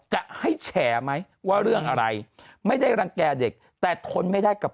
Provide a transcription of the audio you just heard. จะให้แฉไหมว่าเรื่องอะไรไม่ได้รังแก่เด็กแต่ทนไม่ได้กับ